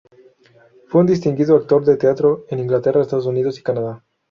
Fue un distinguido actor de teatro en Inglaterra, Estados Unidos y Canadá.